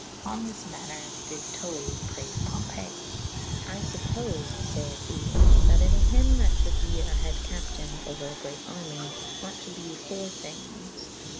On this maner dyd Tully prayfe Pompey. I fuppofe (fayeth he) that in hym that shulde be a hed capitavne ouer a great army ought to be four thynges.